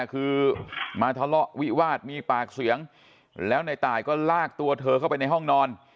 คือมาทะเลาะวิวาสมีปากเสียงแล้วในตายก็ลากตัวเธอเข้าไปในห้องนอน